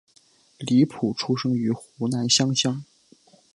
李普出生于湖南湘乡。